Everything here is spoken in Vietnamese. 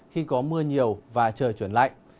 khi có mưa nhiều và trời chuyển lạnh